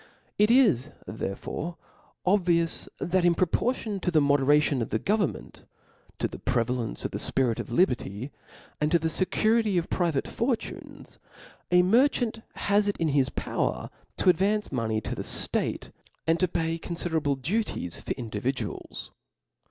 It is therefore obvious, that in proportion to the moderation of the government, to the prevalence of the fpirit of liberty; arid to the fecurity of* private fortunes, a merchant has it in his power to advance money to the ftate, and to pay confi derable duties for individuals.